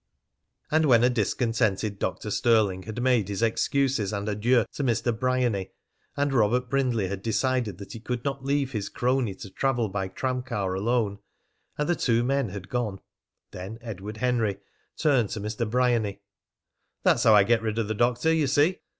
And when a discontented Dr. Stirling had made his excuses and adieux to Mr. Bryany, and Robert Brindley had decided that he could not leave his crony to travel by tram car alone, and the two men had gone, then Edward Henry turned to Mr. Bryany: "That's how I get rid of the doctor, you see."